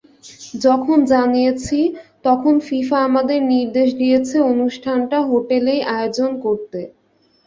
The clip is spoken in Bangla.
যখন জানিয়েছি, তখন ফিফা আমাদের নির্দেশ দিয়েছে অনুষ্ঠানটা হোটেলেই আয়োজন করতে।